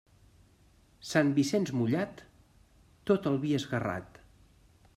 Sant Vicenç mullat, tot el vi esguerrat.